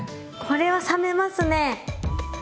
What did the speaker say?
これは覚めますね。